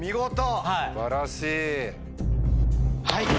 はい。